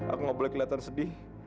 aku nggak boleh kelihatan sedih